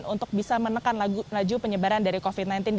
untuk bisa menekan laju penyelidikan